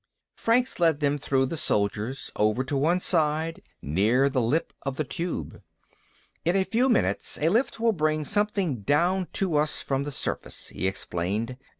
Franks led them through the soldiers, over to one side, near the lip of the Tube. "In a few minutes, a lift will bring something down to us from the surface," he explained.